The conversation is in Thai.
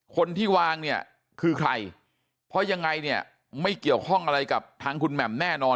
คนที่วางเนี่ยคือใครเพราะยังไงเนี่ยไม่เกี่ยวข้องอะไรกับทางคุณแหม่มแน่นอน